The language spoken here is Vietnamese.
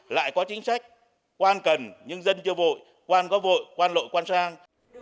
lại có chính trách quan cần nhưng dân chưa vội quan có vội quan lội quan sang